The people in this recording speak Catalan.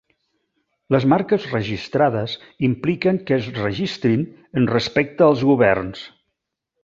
Les marques registrades impliquen que es registrin en respecte als governs.